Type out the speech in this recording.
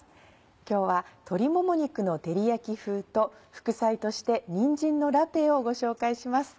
今日は「鶏もも肉の照り焼き風」と副菜としてにんじんのラペをご紹介します。